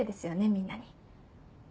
みんなに。